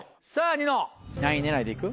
ニノ何位狙いでいく？